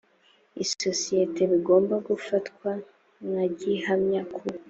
isosiyete bigomba gufatwa nka gihamya ku